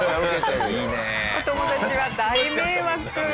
お友達は大迷惑。